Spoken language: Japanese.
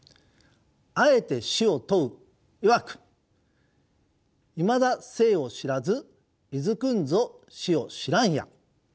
「敢えて死を問う曰く『未まだ生を知らず焉んぞ死を知らんや』」。